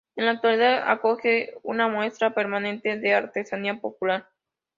En la actualidad acoge una muestra permanente de artesanía popular.